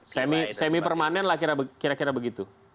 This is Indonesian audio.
semi permanen lah kira kira begitu